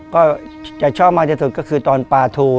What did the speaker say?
ก็จะชอบมากที่สุดก็คือตอนปลาทู